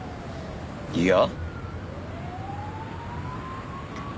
いや。